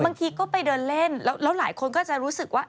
บางทีก็ไปเดินเล่นแล้วหลายคนก็จะรู้สึกว่า